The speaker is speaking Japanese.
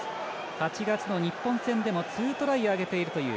８月の日本戦でも２トライ挙げているという。